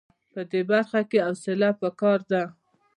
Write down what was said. په دې برخه کې حوصله په کار ده.